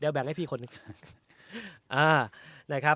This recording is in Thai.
เดี๋ยวแบ่งให้พี่คนหนึ่ง